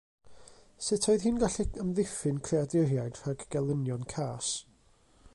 Sut oedd hi'n gallu amddiffyn creaduriaid rhag gelynion cas?